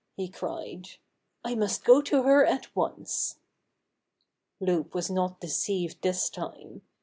he cried. "I must go to her at once!" Loup was not deceived this time.